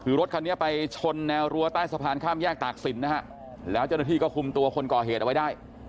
คือรถคันนี้ไปชนแนวรั้วใต้สะพานข้ามแยกตากศิลปนะฮะแล้วเจ้าหน้าที่ก็คุมตัวคนก่อเหตุเอาไว้ได้